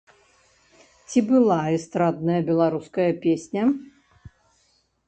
Ці была эстрадная беларуская песня?